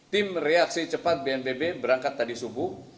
tim reaksi cepat bnpb berangkat tadi subuh